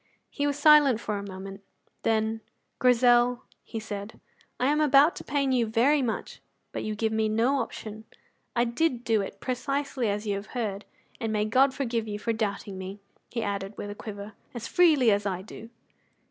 He was silent for a moment. Then, "Grizel," he said, "I am about to pain you very much, but you give me no option. I did do it precisely as you have heard. And may God forgive you for doubting me," he added with a quiver, "as freely as I do."